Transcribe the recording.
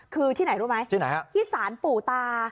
คือที่ไหนรู้ไหมที่สารปู่ตา